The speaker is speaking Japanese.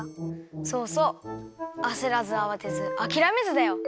そうそうあせらずあわてずあきらめずだよ。